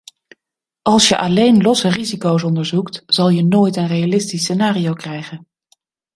Als je alleen losse risico's onderzoekt, zal je nooit een realistisch scenario krijgen.